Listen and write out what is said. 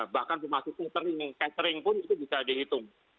bahkan termasuk catering catering pun itu bisa dihitung